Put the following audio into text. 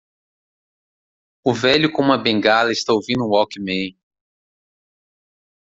O velho com uma bengala está ouvindo um walkman.